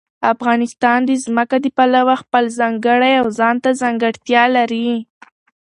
افغانستان د ځمکه د پلوه خپله ځانګړې او ځانته ځانګړتیا لري.